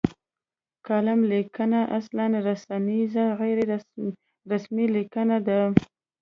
کالم لیکنه اصلا رسنیزه غیر رسمي لیکنه ده.